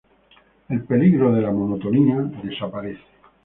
El peligro de la monotonía desaparece.